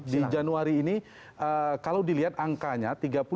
di januari ini kalau dilihat angkanya